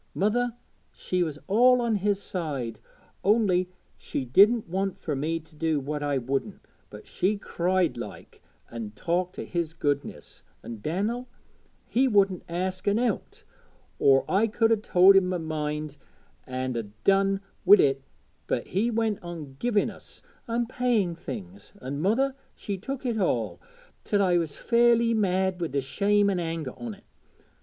Mother, she was all on his side, only she didn't want fur me to do what I wouldn't; but she cried like, an' talked o' his goodness an' Dan'el, he wouldn't ask out an' out, or I could 'a told him my mind an' 'a done wi' it; but he went on giving us, an' paying things, an' mother she took it all, till I was fairly mad wi' the shame an' anger on't.